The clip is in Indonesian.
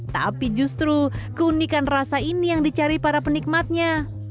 tapi justru keunikan rasa ini yang dicari para penikmatnya